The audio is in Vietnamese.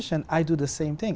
chỉ là dễ dàng